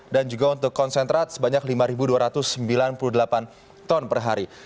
dan juga untuk konsentrat sebanyak lima dua ratus sembilan puluh delapan ton per hari